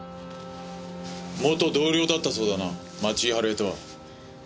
元同僚だったそうだな町井春枝とは。